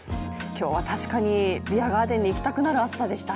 今日は確かにビアガーデンに行きたくなる暑さでした。